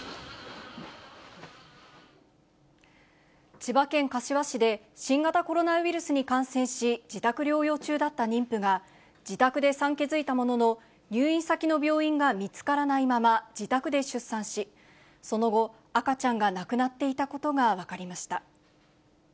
千葉県柏市で、新型コロナウイルスに感染し、自宅療養中だった妊婦が、自宅で産気づいたものの、入院先の病院が見つからないまま、自宅で出産し、その後、赤ちゃんが亡くなっていたことが分かりました。